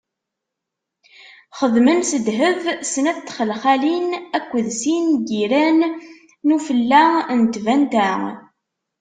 Xedmen s ddheb snat n txelxalin akked sin n yiran n ufella n tbanta.